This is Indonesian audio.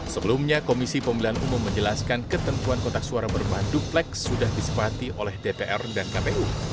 sebelumnya komisi pemilu dan umum menjelaskan ketentuan kotak suara berbahan dupleks sudah disepati oleh dpr dan kpu